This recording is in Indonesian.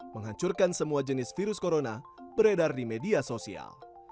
menghancurkan semua jenis virus corona beredar di media sosial